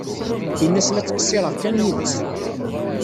Ini-as la ttqeṣṣireɣ kan yid-s.